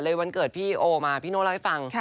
วันเกิดพี่โอมาพี่โน่เล่าให้ฟัง